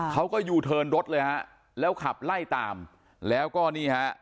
เขาก็ยูเทิร์นรถเลยฮะแล้วขับไล่ตามแล้วก็นี่ฮะ